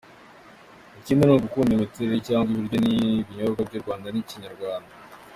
Icyindi ni ugukunda imitekere cyangwa ibiryo n’ibinyobwa by’u Rwanda n’ikinyarwanda.